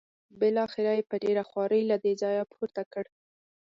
بالاخره یې په ډېره خوارۍ له دې ځایه پورته کړ.